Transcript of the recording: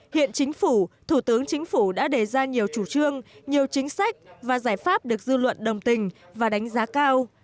hiện chính phủ thủ tướng chính phủ đã đề ra nhiều chủ trương nhiều chính sách và giải pháp được dư luận đồng tình và đánh giá cao